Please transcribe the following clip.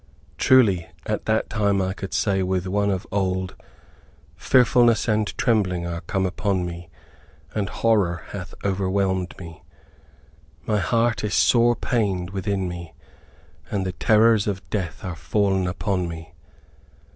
Truly, at that time I could say with one of old, "Fearfulness and trembling are come upon me, and horror hath overwhelmed me. My heart is sore pained within me, and the terrors of death are fallen upon me.